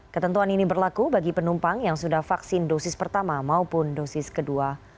ketentuan ini berlaku bagi penumpang yang sudah vaksin dosis pertama maupun dosis kedua